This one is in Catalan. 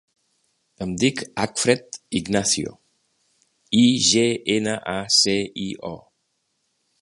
Em dic Acfred Ignacio: i, ge, ena, a, ce, i, o.